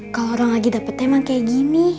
kalau orang lagi dapat emang kayak gini